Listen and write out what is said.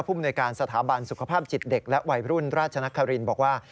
มนวยการสถาบันสุขภาพจิตเด็กและวัยรุ่นราชนครินบอกว่า